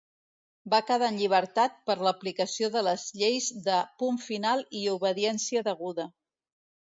Va quedar en llibertat per l'aplicació de les lleis de Punt Final i Obediència Deguda.